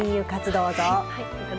どうぞ。